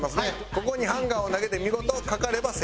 ここにハンガーを投げて見事かかれば成功。